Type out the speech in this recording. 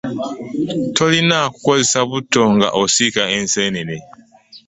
Tolina kozesa butto nga osika ensenene.